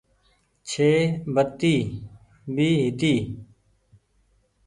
ڇي بتي ڀي هيتي۔